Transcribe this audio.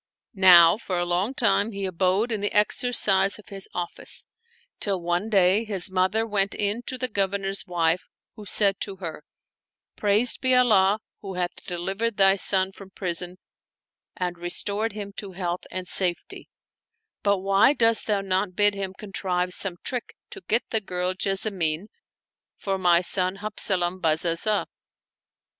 Now for a long time he abode in the exercise of his office, till one day his mother went in to the Governor's wife, who said to her, " Praised be Allah who hath deliv ered thy son from prison and restored him to health and safety 1 But why dost thou not bid him contrive some trick to get the girl Jessamine for my son Habzalam Bazazah?